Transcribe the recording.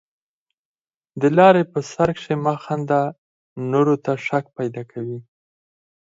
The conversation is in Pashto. د لاري په سر کښي مه خانده، نورو ته شک پیدا کوې.